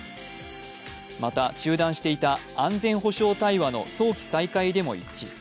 また、中段していた安全保障対話の早期再開でも一致。